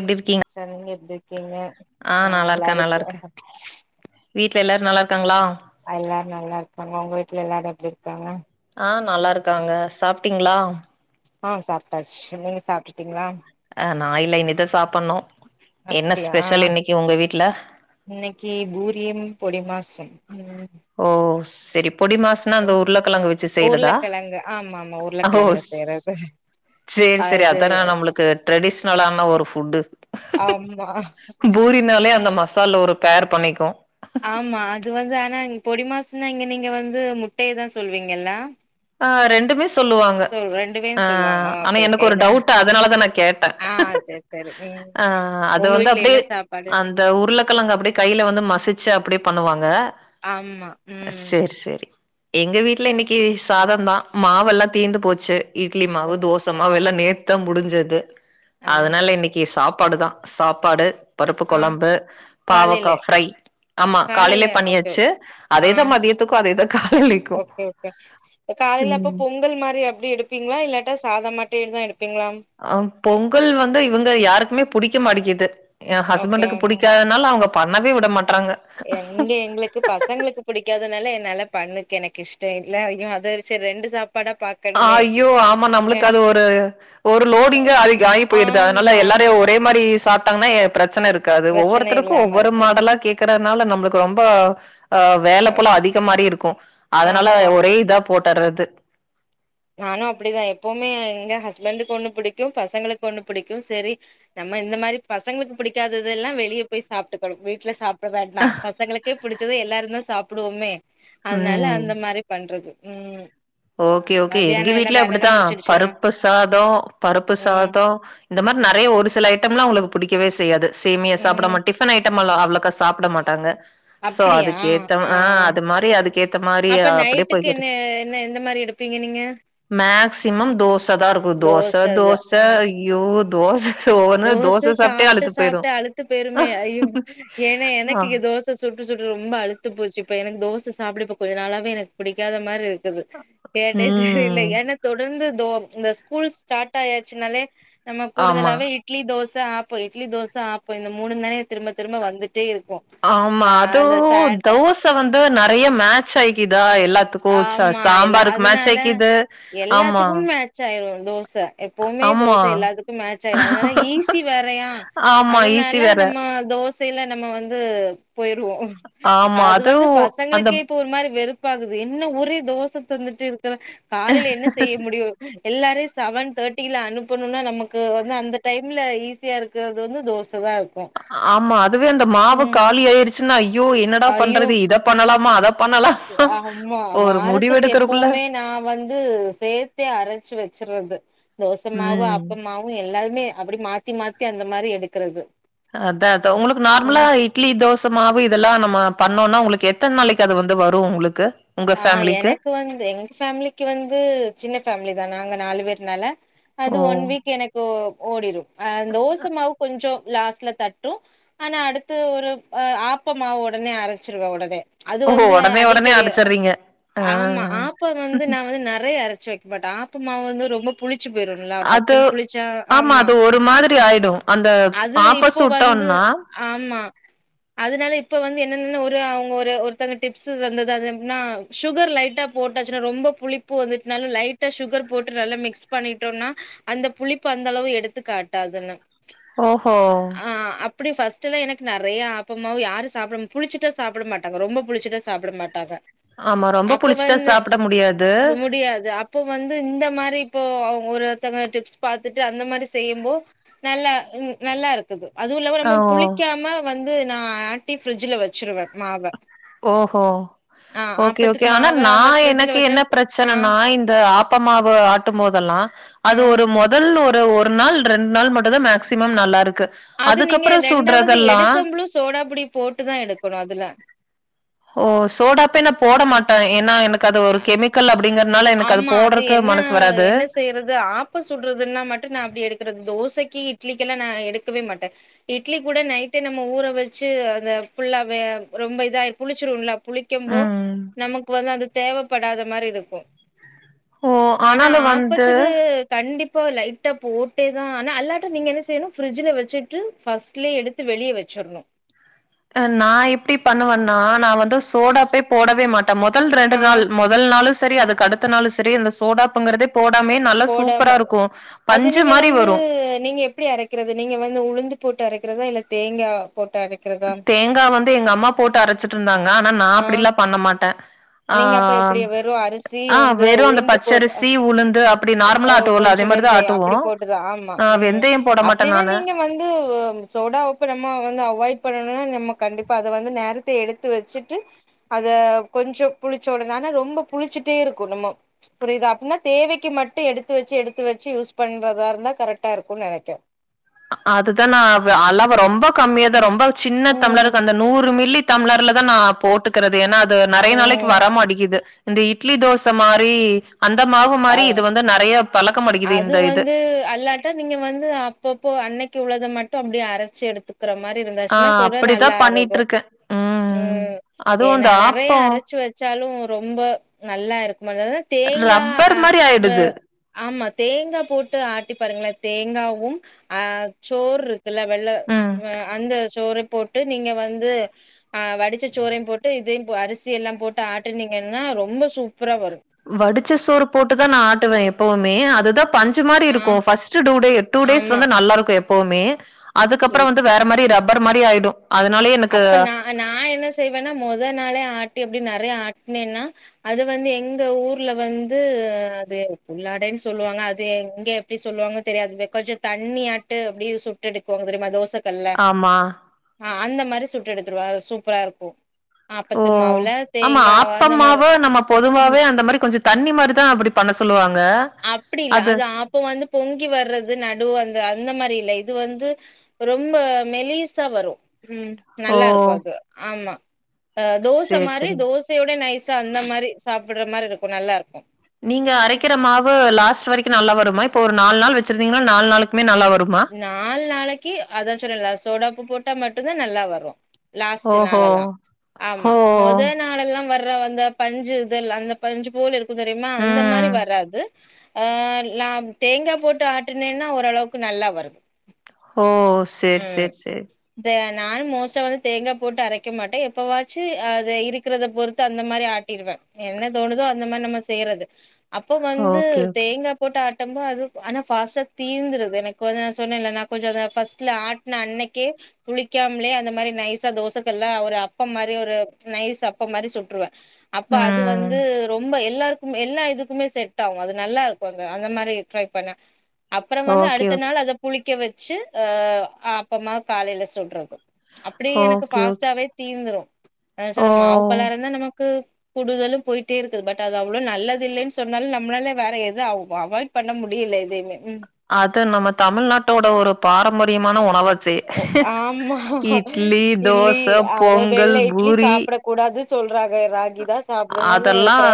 எப்டி இருக்கீங்க? சார் நீங்க எப்டி இருக்கீங்க ஆ நல்லா இருக்கே நல்லா இருக்கே வீட் ல எல்லாரு நல்லாருக்காங்கலா? அ எல்லாரு நல்லா இருக்காங்க உங்க வீட்டுல எல்லாரு எப்டி இருக்காங்க ஆ நல்லா இருக்காங்க. சாப்டீங்களா? அ சாப்டாச்சி. நீங்க சாப்டுட்டீங்களா? ஆ நா இல்ல இனிதா சாப்பட்ணு என்ன அப்டியா ஸ்பெஷல் இன்னைக்கு உங்க வீட்ல இன்னைக்கு பூரியும் பொடி மாசும். ஓ சேரிப் பொடி மாஸ்னா அந்த ம் உருளைக்கிழங்கு வெச்சி செய்யறதா உருளக்கெழங்கு ஆமா ஆமா உருளக்கெழங்குல ஹோஸ். செய்றது சேரி சேரி அது அத்தானே நம்மளுக்கு ட்ரெடிஷ்னலான ஒரு ஃபுட்டு ஆமா பூரினாலே அந்த மசால்ல ஒரு பேர் பண்ணிக்கு ஆமா அது வந்து ஆனா நீங் பொடி மாஸ்னா இங்க நீங்க வந்து முட்டையதா சொல்லுவீங்கல்ல. ஆ ரெண்டுமே சொல்லுவாங்க ரெண்டுவேயு அ சொல்லுவாங்க ஆனா ஓகே ஓகே எனக்கு ஒரு இத டவுட் அதனாலதா நா கேட்டே ஆ சரி சரி ம் ஆ அத உங்க வந்து வீட்ல அப்டியே என்ன சாப்பாடு அந்த இன்னைக்கு உருளக்கெழங்க அப்டியே கையில வந்து மசிச்சு அப்டியே பண்ணுவாங்க. ஆம்மா ம் சரி சரி. எங்க வீட்ல இன்னைக்கு சாதந்தா மாவெல்லா தீர்ந்து போச்சு. இட்லி மாவு ஓகே தோச மாவ் எல்லா நேத்துதா முடிஞ்சது ஆ அதனால இன்னைக்கு சாப் பாடுதா சாப்பாடு பருப்பு ஆ கொழம்பு காலைல பாவக்கா ஃப்ரை ஆமா காலைல காலையிலே ஓகே பண்ணியாச்சு ஓகே. ஆ அதேதா மதியத்துக்கு அதேதா காலைலேக்கு ட ப்ப காலையில அப்ப பொங்கல் மாரி அப்டி எடுப்பீங்களா இல்லாட்டா சாதம் மட்டு இந் மா அ பொங்கல் வந்து இவுங்க யாருக்குமே புடிக்க மாட்டிக்கிது. எ ஓகே ஹஸ்பண்ட்க்கு புடிக்காதனால அவங்க பண்ணவே விட மாட் எங்க எங்களுக்கு பசங்களுக்கு புடிக்காதனால என்னால பண்ணுக்கு எனக்கு இஷ்டொ இல்ல அயோ அத வச்சி ரெண்டு சாப் அ ஐயோ ஆமா நம்மளுக்கு அது ஒரு ஒரு லோடிங்க ஆயி ஆயிப்போயிடுது அதனால ஆமா எல்லாரையு ரே மாரி சாப் ட்டாங்கன்னா எ பிரச்சன இருக்காது பிரச்சன ஒவ்வொருத்தருக்கு இல்லாம ஒவ்வொரு இருக்கு மாடலா கேக்கறனால நம்மளுக்கு ரொம்ப ஆ வேல போல அதிக மாரி இருக்கு அதனால ஆமா ஒரே இதா போட்டறது. நானு அப்படிதா எப்பவுமே எங்க ஹஸ்பண்டக்கு ஒன்னு புடிக்கு பசங்களுக்கு ஒன்னு புடிக்கும் செரி நம் ம இந்த மாரி பசங்களுக்கு பிடிக்காதது எல்லா வெளிய போய் சாப்ட்டுக்கனு வீட்ல சாப் டு காட்னா பசங்களுக்கே புடிச்சது எல்லாருந்தா சாப்டுவோமே அதனால ம் அந்த மாரி பண்றது ம் ஓகே ஓகே எங்க மதியானோ எல்லா வீட்ல வேலல்லா அப்படித்தா முடிச்சிடுச்சுல பருப்பு சாதோ பருப்பு ம் சாதோ இந்த மார் நெறை ய ஒரு சில ஐட்டம்லா அவங்களுக்கு புடிக்கவே செய்யாது சேமியா ம் சாப்படமாட் டிஃபன் ஐட்டமல்லா அவ்ளக்கா சாப்புட மாட்டாங்க. சோ அப்டியா அதுக்கேத்த மா ஆ அது மாரி அதுக்கேத்த மாரி அப்டியே போய்கிறது. எந் மாரி எடுப்பீங்க நீங்க சிமம் தோசதா இருக்கு தோச இது தோச ஆ ஐயோ தோச ஒவ்வொரு நாள் தோச சாப்ட்டே சாப்ட்டு அலுத்து போயிரும். சாப்ட்டு அழுத்து போயிருமே ஐயோ ஏன்னா ஆ. எனக்கு இங்க தோச சுட்டு சுட் ப்டுறது ரொம்ப அழுத்து போச்சு இப்ப எனக்கு தோச சாப்புட ப்ப கொஞ்ச நாளாவே எனக் புடிக்காத மார்ருக் க்கது ஏன்னே தெரியல ம். ஏன்னா தொடர்ந்து தோ இந்த ஸ்கூல் ஸ்டார்ட் ஆயாச்சுனாலே நம்ம ஆமா. கூடுதலாவே இட்லி தோச ஆப்பொ இட்லி தோச ஆப்பொ இந்த மூணுதானே திரும்ப திரும்ப வந்து ஆமா அதுவு தோச வந்து நெறைய மேட்ச் ஆயிக்கிதா எல்லாத்துக்கும். ச ஆமா எல்ல சாம்பாருக்கு மேட்ச் அதுனால ஆயிக்கிது. ஆமா, எல்லாத்துக்கும் மேட்சாயிரு தோச எப்போ உண்மைய ஆமா, தோச எல்லாத்துக்கும் மேட்ச் ஆயிரு அதான ஈஸி வேறயா ஆமா. ஈசி அதனால வேற. நம்ம தோச சைல நம்ம வந்து பொயிருவோ ஆமா. அது வந்து அதுவும் அந்த பசங்களுக்கே இப்ப ஒரு மாரி வெறுப்பாகுது து என்னடா ஒரே தோச தந்துட்டு இருக்கிற காலைல என்ன செய்ய முடியு எல்லாரையு செவன் தேராட்டியில அனுப்பனுனா நமக்கு வந்து அந்த டைம்ல ஈஸியா இருக்கறது வந்து தோசதா இருக் ஆமா அதுவே அந்த மாவு காலி ஆயிடுச்சுன்னா ஐயோ என்னடா ஐயோ பண்றது இத பண்ணலாமா அத பண்ணலாமா? ஆமா ஒரு வாரத்துக்கு முடிவெடுக்கறக்குள்ள எப்பவுமே நா வந்து சேத்தே அரச்சி வ ச்சறது தோசமாவு ம். அப்பம்மாவு எல்லாருமே அப்படி மாத்தி மாத்தி அந்த மாரி எடுக்கறது அதா அதா ம் உங்களுக்கு நார்மலா ம். இட்லி தோச மாவு இதெல்லா நம்ம பண்ணோனா உங்களுக்கு எத்தன நாளைக்கு அது வந்து வரு உங்ளுக்கு ஆ எனக்கு வந்து எங்க ஃபேமிலிக்கு வந்து சின்ன ஃபேமிலிதா நாங்க நாலு பேர்னால அது ஓ! ஒன் வீக் எனக்கு ஓடிரு ஆ தோசமாவு கொஞ்சொ லாஸ்ட்ல தட்டு ஆனா அடுத்து ஒரு ஆ ஆப்பமாவ் ஒடனே அரைச்சிருவே ஒடனே அது ஓஹோ! வந்து உடனே உடனே அடிக்கடி அ அரைச்சர்றீங்க. ஆ ஆமா ஆப்ப வந்து நா வந்து நெறைய அரைச்சி வைக்க மாட்ட ஆப்ப மாவு வந்து ரொம்ப புளி அது ஆமா அது ஒரு மாதிரி ஆயிடு அந்த அது ஆப்ப இப்போ வந்து சுட்டோனா ஆமா அதனால இப்ப வந்து என்னென்னா ஒரு அவங்க ஒரு ஒருத்தவங்க டிப்ஸ் தந்தது அது னா சுகர் லைட்டா போட்டாச்சுன்னா ரொம்ப புளிப்பு வந்துட்னாலு லைட்டா சுகர் போட்டு நல்லா மிக்ஸ் பண்ணிட் டோனா அந்த புளிப்பு அந்த அளவு எடுத்து காட்டாதுன்னு ஓஹோ அப்படி ஃபர்ஸ்ட் எல்லாம் எனக்கு நிறைய ஆப்பமாவு யாரும் சாப்பிட புளிச்சிட்டா சாப்பிட மாட்டாங்க ரொம்ப புளிச்சிட்டா சாப்பிட மாட்டாங்க ஆமா. ரொம்ப அப்ப புளிச்சுட்டா வந்து சாப்பிட முடியாது. முடியாது அப்போ வந்து இந்த மாதிரி இப்போ அவு ஒருத்தங்க டிப்ஸ் பாத்துட்டு அந்த மாதிரி செய்யும்போ நல்லா நல்லா இருக்குது அதுவும் இல்லாம ஓ! நம்ம புளிக்காம வந்து நா ஆட்டி ஃபிரிட்ஜ்ல வச்சிருவேன் மாவ ஓஹோ ஆ ஓகே ஓகே ஆப்பத்துக்கு ஆனா மாவ நா வந்து ஃப்ரிட்ஜ்ல எனக்கு வச்சா என்ன ஆ பிரச்சனை நா இந்த ஆப்பமாவ ஆட்டும் போதெல் லாம் ஆ அது ஒரு முதல் ஒரு ஒரு நாள் ரெண்டு நாள் மட்டும்தான் மேக்சிமம் நல்லா இருக்கு அது நீங்க ரெண்டாவது எடுக்கம்பளும் சோடாபுடி போட்டு தான் எடுக்கணும் அதுல ஓ சோடா உப்பே நா போட மாட்டேன் ஏன்னா எனக்கு அது ஒரு கெமிக்கல் அப்படிங்கிறனால எனக்கு ஆமா அது போடுறக்கு என்ன மனசு வராது. என்ன செய்யிறது ஆப்ப சூடுறதுன்னா மட்டும் நா அப்படி எடுக்குறது தோசை சைக்கி இட்லிகெல்லாம் நா எடுக்கவே மாட்டேன் இட்லி கூட நைட் நம்ம ஊற வச்சு அந்த ஃபுல்லாவே ரொம்ப இதா புளிச்சிரும்ல புளிக்கும்போ ம் நமக்கு வந்து அது தேவைப்படாத மாதிரி இருக்கும் ஓ ஆனா ஆனாலு வந்து ஆப்பத்துக்கு கண்டிப் உப்ப லைட்டா போட்டே தான் ஆனா அல்லாட்ட நீங்க என்ன செய்யணும் ப்ரிஜ்ல வச்சிட்டு ஃபர்ஸ்ட்லே எடுத்து வெளியே வச்சு சரிதான் நா எப்படி பண்ணுவேன்னா நான் வந்து இந்த சோடா உப்பே போடவே மாட்டேன் முதல் ரெண்டு ஆ நாள் முதல் நாளும் செரி அதுக்கு அடுத்த நாள் செரி அந்த சோடாப்புங்குறதே நல்லா சூப்பரா போடாம இருக்கும் அது நீங்க வந்து நீங்க எப்படி அரைக்கிறது நீங்க வந்து உளுந்து போட்டு அரைக் கிறதா இல்ல தேங்கா போட்டு அரைக்கிறதா தேங்கா வந்து எங்க அம்மா போட்டு அரைச்சிட்டு இருந்தாங்க ஆனா நா ஆ அப்படிலாம் பண்ண மாட்டேன் நீங்க அப்ப எப்டி ஆஹ் வெறு அரிசி ஆஹ் ஆ வந்து வெறும் அந்த உளுந்து போட் பச்சரிசி உளுந்து அப்படி நார்மலா ஆட்டுவோல அதே மாரிதா வெந்தையம் ஆட்டுவோ அப்படி போட்டுதான் ஆமா ஆ உம் வெந்தயம் போட மாட்டே அப்படின்னா நானு நீங்க வந்து சோடா உப்பு நம்ம வந்து அவாய்ட் பண்ணும்னா நம்ம கண்டிப்பா அதை வந்து நேரத்தை எடுத்து வச்சுட்டு அத கொஞ்சம் புளிச்ச உடனே ரொம்ப புளிச்சுட்டே இருக்கும் நம்ம புரியுதா அப்டின்னா தேவைக்கு மட்டும் எடுத்து வச்சு எடுத்து வச்சி யூஸ் பண்றதா இருந்தா கரெக்டா இருக்கும் நினைக்கேன் அதுதான் நா அளவா ரொம்ப கம்மியா தான் ரொம்ப சின்ன ம் டம்ளருக்கு அந்த நூறு மில்லி டம்ளர்ல தான் நா போட்டுக்கிறதே ஏன்னா அது நெறைய நாளைக்கு ம் வரமடிக்குது இந்த இட்லி தோசை மாரி அந்த மாவு மாரி அஹ் இது வந்து நெறைய பழக்க மாட்டேங்குது அது இந்த இது. வந்து அல்லட்டா நீங்க வந்து அப்பப்போ அன்னை க்கு உள்ளத மட்டும் அப்படி அரைச்சி எடுத்துக்க இருக்குற மாதிரி ஆ இருந்தாச்சுன்னா நல்லா அப்படிதான் இருக்கும் பண்ணிட்டுருக்கேன். ம். உம் அதுவும் ஏன்னா இந்த நெறைய ஆப்பம் அரைச்சு வச்சாலும் ரொம்ப நல்லா இருக்கும் அதாவது தேங்கா ரப்பர் மாரி ஆயிடுது. அஹ் ஆமா தேங்கா போட்டு ஆட்டி பாருங்களேன் தேங்காவும் அஹ் சோறு வெள்ள வெள்ள ம். உம் அந்த சோறை போட் டு நீங்க வந்து அஹ் வடிச்ச சோறையும் போட்டு இதையு அரிசி எல்லாம் போட்டு ஆட்டுனீங்கன்னா ரொம்ப சூப் வடிச்ச சோறு போட்டுதான் நா ஆட்டுவேன் எப்பவுமே அதுதான் பஞ்சு மாரி ஆ இருக்கும் first two day two days ஆமா வந்து நல்லாருக்கும் எப்பவுமே அதுக்கப்புறம் வந்து வேற மாரி ரப்பர் மாரி ஆயிடும் அதனாலயே எனக்கு அப்ப நா நா என்ன செய்வேன்னா மொத நாளே ஆ ட்டி அப்படி நெறைய ஆட்னேன்னா அது வந்து எங்க ஊர்ல வந்து அது உள்ளாடை சொல்லுவாங்க அது இங்க எப்படி சொல்லுவாங்க தெரியாது கொஞ்ச தண்ணி ஆட்டு அப்படி சுட்டு எடுக்குவாங்க தெரியுமா தோசை ஆமா ஆஹ் அந்த மாதிரி சுட்டு எடுத்துடுவ சூப்பரா இருக்கும் ஓ ஓ ஆமா மாரி ஆப்பமாவ நம்ம பொதுவாவே அந்த மாதிரி கொஞ்சம் தண்ணி மாதிரிதான் அப்படி பண்ண சொல்லுவாங்க. அப்படி இல்ல அது ஆப்பம் வந்து பொங்கி வர்றது நடு அந்த அந்த மாதிரி இல்ல இது வந்து ரொம்ப மெலீஸா வரும் உம் ஓ! நல்லா இருக்கும் அது ஆமா அ தோச சரி, மாரி சரி. தோசையோட நைசா அந்த மாரி சாப்பிட்ற மாரி இருக்கு நல்லாருக்கு நீங்க அரைக்கிற மாவு லாஸ்ட் வரைக்கு நல்லா வருமா இப்ப ஒரு நால் நாள் வெச்சிருந்தீங்னா ம் நால் நாளைக்கு அதா சொன்னேல்ல சோடா உப்பு போட்டா மட்டுந்தா நல்லா வரு லாஸ்ட்டு ஓஹோ! நாளெல்லா ஆமா ஓ! மொத நாளெல்லா வர அப்றோ அந்த பஞ்சு இதெல்லா அந்த பஞ்சு போல இருக்கு தெரியுமா அந்த மாரி ம். வராது ஆ அ தேங்கா போட்டு ஆட்டுனேன்னா ஓரளவுக்கு நல்லா வருது ஓ சேரி ம் சேரி சேரி தே நானு மோஸ்ட்டா வந்து தேங்கா போட்டு அரைக்க மாட்டே எப்பவாச்சு அத இருக்கிறத பொறுத்து அந்த மாரி ஆட்டிருவே என்ன தோணுதோ அந்த மார் நம்ம செய்யறது அப்போ வந்து ஓகே, ஓகே. தேங்கா போட்டு ஆட் ரொம்ப அது ஆனா ஃபாஸ்ட்டா தீந்துருது எனக் வந்து நா சொன்னேல்ல நா கொஞ்ச அத ஃபஸ் ட்ல ஆட்ன அன்னைக்கே புளிக்காம்லே அந்த மாரி நைஸா தோசக்கல்ல ஒரு அப்போ மாரி ஒரு நைஸ் அப்போ மாரி சுட்ருவே அப்ப அது ம். வந்து ரொம்ப எல்லார்க்குமே எல்லா இதுக்குமே செட் ஆவு அது நல்லா இருக்கு அந்த அந்த மாரி ட்ரை பண்ணே அப்றோ வந்து ஓகே, அடுத்த ஓகே. நாள் அத புளிக்க வெச்சு அ அப்பமா காலைல சுட்றது அப்டி எனக்கு ஓகே, ஓகே. ஃபாஸ்ட்டாவே தீந்துரு அதா சொன்ன மாவு ஓ! பலகாரந்தா நமக்கு கூடுதலு போய்ட்டே இருக்குது பட் அது அவ்ளோ நல்லதில்லைன் சொன்னாலு நம்ளால வேற எத அவ் அவாய்ட் பண்ண முடி இல்ல எதைமே ம் அது நம்ம தமிழ்நாட்டோட ஒரு பாரம்பரியமான உணவு ஓ ஆமா இட்டிலி தோச, அதா பொங்கல், வெள்ள இட்லி பூரி சாப்பட கூடாது சொல்றாங்க ராகி தா சாப்டணுனு அதெல்லா இருக்கறே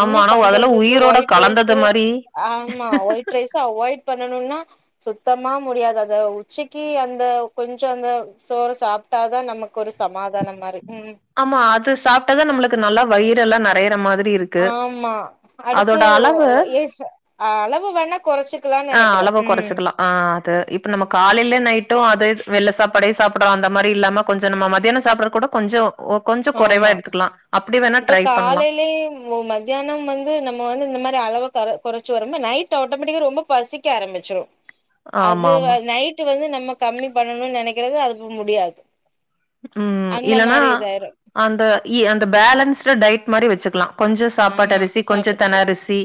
என்ன ஆனா அதெல்லா பண்றதுக்கு உயிரோட ஒய்ட் கலந்தது ரைஸு மாரி ஆமா ஒய்ட் ரைஸ அவாய்ட் பண்ணனுன்னா சுத்தமா முடியாது அத உச்சிக் கி அந்த கொஞ்சோ அந்த சோறு சாப்ட்டா தா நமக்கொரு சமாதான மாரி ம் ஆமா அது சாப்ட்டா தா நம்மளுக்கு நல்லா வயிறெல்லா நெறையிற மாதிரி இருக்கு ஆமா அடுத்து அதோட ஓ அளவு ஓ ஏஃபு அ அளவு வேணா கொறச்சுக்கலான் ஆ நெனைக்கறே அளவ கொறச்சுக்கலா ஆ அது இப்ப நம்ம காலைல நைட் டு அது வெள்ள சாப்பாடே சாப்புட்றோ அந்த மாரி இல்லாம கொஞ்சோ நம்ம மத்யானோ சாப்பிட்ற கூட கொஞ்சோ கொஞ்சோ குறைவா ஆமா எடுத்துக்கலா அப்டி வேணா இப்ப ட்ரை பண்லா காலைலே ஓ மத்யானம் வந்து நம்ம வந்து இந்த மாரி அளவு தர கொறச்சு வரும்போ நைட்டு ஆட்டோமெட்டிக்கா ரொம்ப பசிக்க ஆரம்பிச்சுரு அது ஆமா ஆமா வந் நைட்டு வந்து நம்ம கம்மி பண்ணனு நெனைக்கறது அது முடியாது ம் அந்த இல்லனா மாரி இதாயிரு அந்த இ அந்த பேலன்ஸ்டு டயட் மாரி வெச்சுக்கலா கொஞ்சோ சாப்பாட்டு ஆமா அரிசி, கொஞ்சோ சாப்பிடுச்சு தெண அரிசி,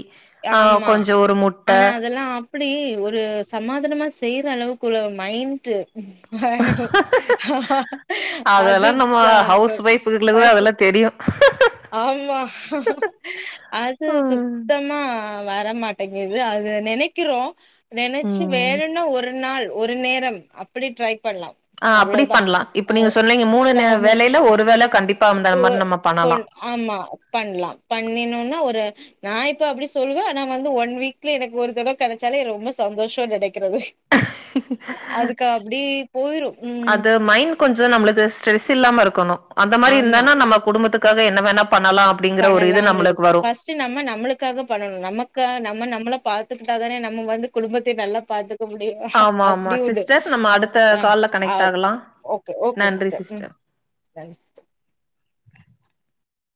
ஆ ஆமா. கொஞ்சோ ஒரு முட்ட ஆனா அதெல்லாம் அப்படி ஒரு சமாதானமா செய்யற அளவுக்கு உள்ள மைண்ட்டு ஆய்டு அது தா உங்ளுக்குதா அதெல்லா தெரியு ஆமா அது ம் சுத்தமா வரமாட்டேங்குது அது நெனைக்கிறோ நெனச்சு ம் வேணுன்னா ஒரு நாள், ஒரு நேரம் அப்பிடி ட்ரை பண்லா ஆ அப்டி பண்லா இப்ப நீங்க சொன்னீங்க மூணு நே ஆமா. வேளைல ஒரு வேள கண்டிப்பா அந்த ஓ மாரி நம்ம பண்ணலா கொண் ஆமா பண்லா பண்ணினோன்னா ஒரு நா இப்ப அப்டி சொல்லுவே ஆனா வந்து ஒன் வீக்ல எனக் ஒரு தடவ கெடச்சாலே ரொம்ப சந் தோஷோன் நெனைக்கறது போயிரும். ம். அது மைண்ட் கொஞ்சோ நம்ளுக்கு ஸ்ட்ரெஸ் இல்லாம இருக் கனு அந்த மாரி இருந்தானா நம்ம குடும்பத்துக்காக என்ன வேணா பண்ணலா அப்டிங்கிற ஒரு இது பண்ணலாம்னுருக் நம்மளுக்கு வரு ஃபஸ்ட்டு நம்ம நம்மளுக்காக பண்ணனு நமக்கா நம்ம நம்மள பாத் துக்கிட்டா தானே நம்ம வந்து குடும்பத்தையு நல்லா பாத்துக் க முடியு ஆமா ஆமா அப்புடி உடு சிஸ்டர் நம்ம அடுத்த அ கால்ல கனெக்ட் ஆவ் ஆகலா ஓகே ஓகே சிஸ்டர் ம் தேங்ஸ்